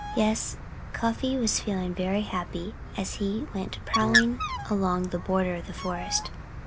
Yes, Cuffy was feeling very happy as he went prowling along the border of the forest.